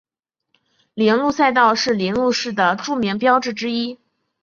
铃鹿赛道是铃鹿市的著名标志之一。